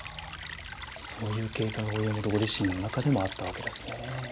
そういう経過がお家元ご自身の中でもあったわけですね。